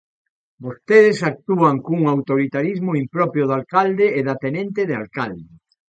Vostedes actúan cun autoritarismo impropio do alcalde e da tenente de alcalde.